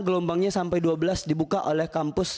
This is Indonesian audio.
gelombangnya sampai dua belas dibuka oleh kampus